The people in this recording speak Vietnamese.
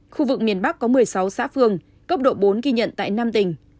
khu vực miền bắc có một mươi sáu xã phường cấp độ bốn ghi nhận tại năm tỉnh